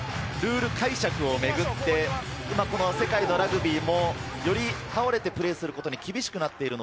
そのルール解釈をめぐって世界のラグビーも、より倒れてプレーすることに厳しくなっています。